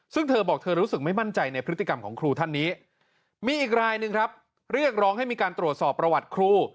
ซึ่งเธอบอกเธอรู้สึกไม่มั่นใจในพฤติกรรมของครูท่านนี้มีอีกรายหนึ่งครับเรียกร้องให้มีการตรวจสอบประวัติครู